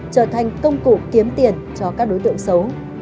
trở thành công cụ kiếm tiền cho các đối tượng xấu